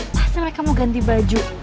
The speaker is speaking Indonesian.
pasti mereka mau ganti baju